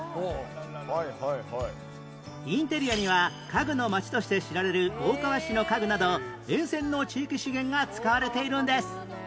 インテリアには家具の街として知られる大川市の家具など沿線の地域資源が使われているんです